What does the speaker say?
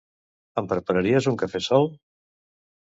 Ens prepararies un cafè sol?